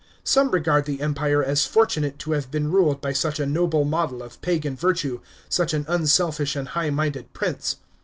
Some regard the Empire as fortunate to have been ruled by such a noble model of Pagan virtue, such an unselfish and high * minded prince.